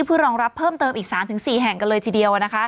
เพื่อรองรับเพิ่มเติมอีก๓๔แห่งกันเลยทีเดียว